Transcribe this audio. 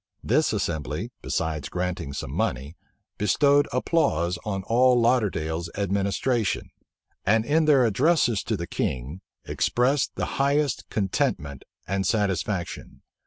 This assembly, besides granting some money, bestowed applause on all Lauderdale's administration, and in their addresses to the king, expressed the highest contentment and satisfaction.